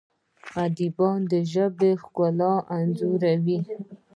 ادیبان د ژبې ښکلا انځوروي.